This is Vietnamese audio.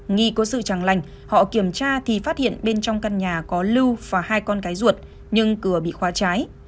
nghi có sự chẳng lành họ kiểm tra thì phát hiện bên trong căn nhà có lưu và hai con gái ruột nhưng cửa bị khóa trái